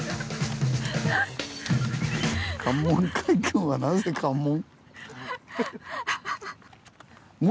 「関門海峡はなぜ“関門”？」。